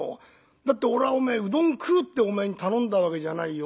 だって俺はおめえうどん食うってお前に頼んだわけじゃないよ。